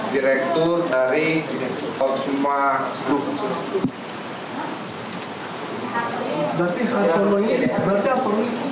direktur dari oksuma group